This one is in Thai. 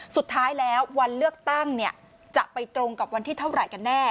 สุดท้ายแล้ววันเลือกตั้งจะไปตรงกับวันที่เท่าไหร่กันแน่